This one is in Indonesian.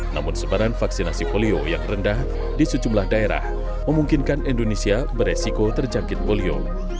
namun sebaran vaksinasi polio yang rendah di sejumlah daerah memungkinkan indonesia beresiko terjangkit polio